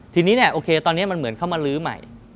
ทีนี้เนี่ยโอเคตอนนี้มันเหมือนเข้ามาลื้อใหม่